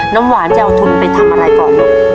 น้ำหวานจะเอาทุนไปทำอะไรก่อนลูก